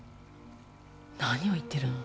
何を言ってるの？